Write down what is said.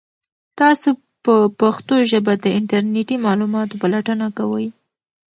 تاسو په پښتو ژبه د انټرنیټي معلوماتو پلټنه کوئ؟